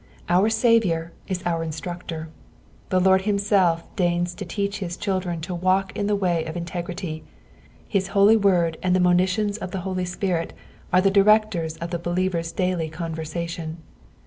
Our Sftviour is our iDstmctor. Tha Lord himstlf deigns to teach bis children to iralk ID tha wa; of integrity, his I10I7 word and the monitions of the H0I7 Spirit ore the directors of the believer's daily conversatioD.